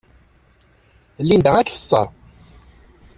Linda ad k-teṣṣer.